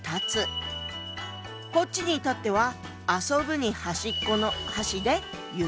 こっちに至っては「遊ぶ」に端っこの「端」で「遊端」。